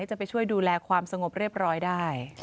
จะไปช่วยดูแลความสงบเรียบร้อยได้